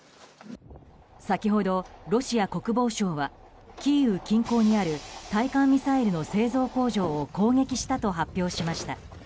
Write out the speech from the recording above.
先ほどロシア国防省はキーウ近郊にある対艦ミサイルの製造工場を攻撃したと発表しました。